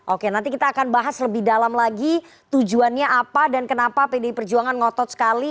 oke nanti kita akan bahas lebih dalam lagi tujuannya apa dan kenapa pdi perjuangan ngotot sekali